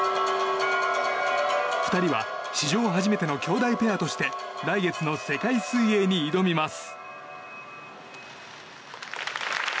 ２人は、史上初めてのきょうだいペアとして来月の世界水泳に挑みます。